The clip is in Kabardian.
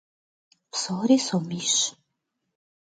Psori somiş.